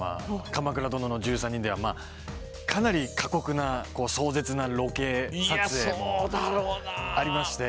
「鎌倉殿の１３人」ではかなり過酷な壮絶なロケ撮影もありまして。